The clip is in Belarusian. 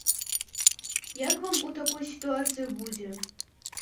А як вам у такой сітуацыі будзе?